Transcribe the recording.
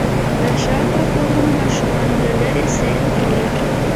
د شاوخوا کورونو ماشومانو له لېرې سيل کوه.